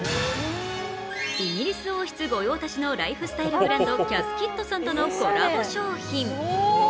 イギリス王室御用達のライフスタイルブランドＣａｔｈＫｉｄｓｔｏｎとのコラボ商品。